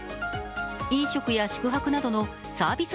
飲食や宿泊などのサービス